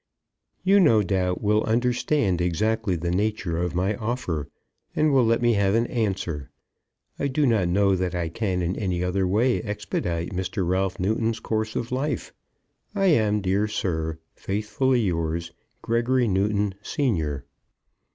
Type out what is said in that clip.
You no doubt will understand exactly the nature of my offer, and will let me have an answer. I do not know that I can in any other way expedite Mr. Ralph Newton's course in life. I am, dear sir, Faithfully yours, GREGORY NEWTON, Senior.